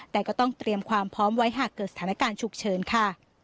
แต่ก็ต้องเตรียมความพร้อมไว้หากเกิดสถานการณ์ฉุกเฉินค่ะ